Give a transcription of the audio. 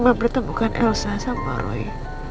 mempertemukan elsa sama roy